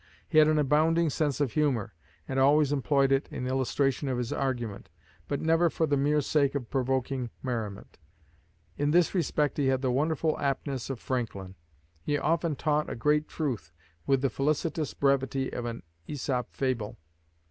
He had an abounding sense of humor, and always employed it in illustration of his argument but never for the mere sake of provoking merriment. In this respect he had the wonderful aptness of Franklin. He often taught a great truth with the felicitous brevity of an Aesop fable.